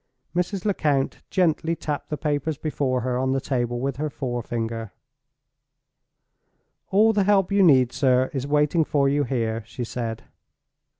Mrs. Lecount gently tapped the papers before her on the table with her forefinger. "All the help you need, sir, is waiting for you here," she said.